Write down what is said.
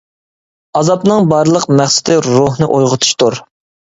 ئازابنىڭ بارلىق مەقسىتى روھنى ئويغىتىشتۇر.